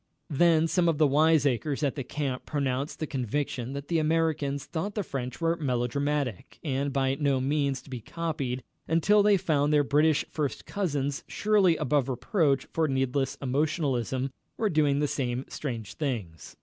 Then some of the wiseacres at the camp pronounced the conviction that the Americans thought the French were melodramatic, and by no means to be copied, until they found their British first cousins, surely above reproach for needless emotionalism, were doing the same strange things.